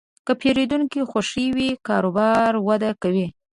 که پیرودونکی خوښ وي، کاروبار وده کوي.